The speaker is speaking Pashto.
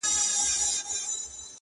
هغه چي پولي د ایمان وې اوس یې نښه نسته٫